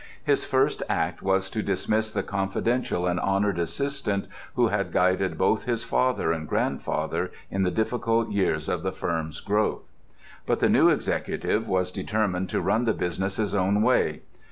His first act was to dismiss the confidential and honoured assistant who had guided both his father and grandfather in the difficult years of the firm's growth. But the new executive was determined to run the business his own way.